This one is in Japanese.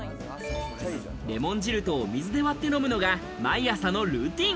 レモン汁とお水で割って飲むのが、毎朝のルーティン。